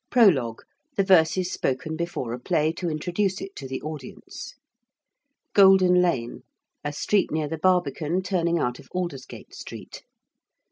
~prologue~: the verses spoken before a play to introduce it to the audience. ~Golden Lane~: a street near the Barbican, turning out of Aldersgate Street.